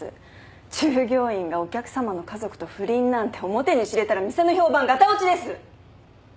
従業員がお客さまの家族と不倫なんて表に知れたら店の評判がた落ちです。